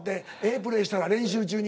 プレーしたら練習中に。